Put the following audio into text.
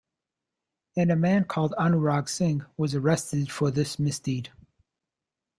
And a man called Anurag Singh was arrested for this misdeed.